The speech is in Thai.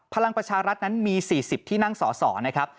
พลังประชารัฐนั้นมี๔๐ที่นั่งสอสอนะครับ